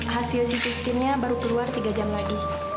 hasil si sistemnya baru keluar tiga jam lagi